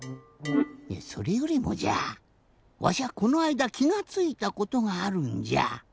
それよりもじゃわしはこのあいだきがついたことがあるんじゃ。